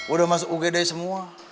udah masuk ugd semua